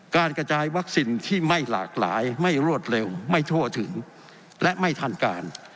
การกระจายวัคซีนที่ไม่หลากหลายไม่รวดเร็วไม่ทั่วถึงและไม่ทันการ